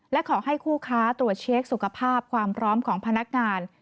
และขอให้คู่ค้าตรวจเช็คสุขภาพความพร้อมของพนักงาน